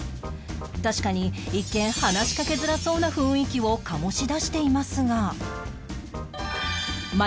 確かに一見話しかけづらそうな雰囲気を醸し出していますが